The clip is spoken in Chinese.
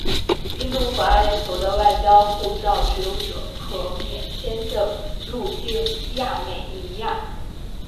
印度和阿联酋的外交护照持有者可免签证入境亚美尼亚。